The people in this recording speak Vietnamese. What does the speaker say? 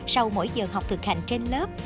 sau mỗi giờ học thực hành trên lớp